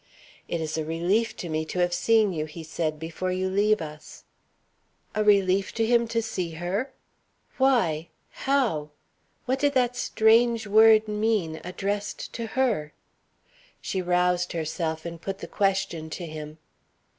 "It's a relief to me to have seen you," he said, "before you leave us." A relief to him to see her! Why? How? What did that strange word mean, addressed to her? She roused herself, and put the question to him.